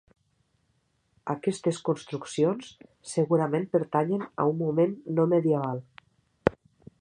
Aquestes construccions segurament pertanyen a un moment no medieval.